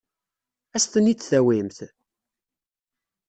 Ad as-ten-id-tawimt?